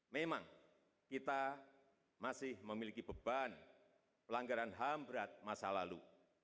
memang kita masih memiliki beban pelanggaran ham berat masa lalu